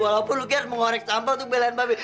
walaupun lu ki harus mengorek sampel untuk belain bapak be